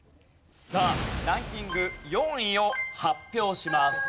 さあランキング４位を発表します。